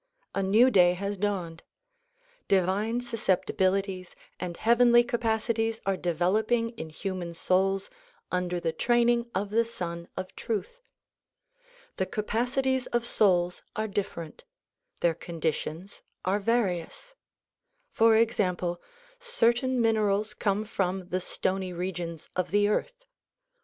A new day has dawned. Divine susceptibilities and heavenly capacities are developing in human souls under the training of the Sun of Truth. The ca pacities of souls are diiferent. Their conditions are various. For example, certain minerals come from the stony regions of the earth.